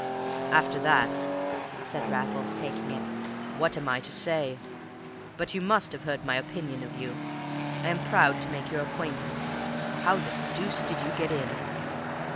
"After that," said Raffles, taking it, "what am I to say? But you must have heard my opinion of you. I am proud to make your acquaintance. How the deuce did you get in?"